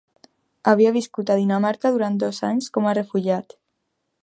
Havia viscut a Dinamarca durant dos anys com a refugiat.